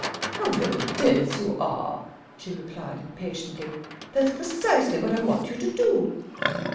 "How very dense you are," she replied, impatiently. "That's precisely what I want you to do."